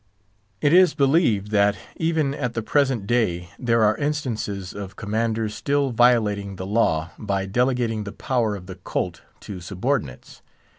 It is believed that, even at the present day, there are instances of Commanders still violating the law, by delegating the power of the colt to subordinates.